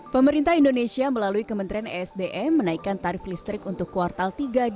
pemerintah indonesia melalui kementerian esdm menaikkan tarif listrik untuk kuartal tiga dua ribu dua puluh